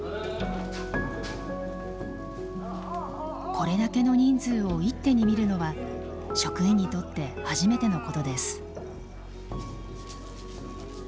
これだけの人数を一手にみるのは職員にとって初めてのことです。